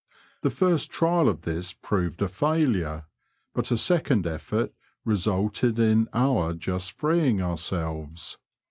The first trial of this proved a failure, but a second effort resulted in our just freeing ourselves.